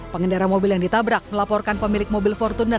pengendara mobil yang ditabrak melaporkan pemilik mobil fortuner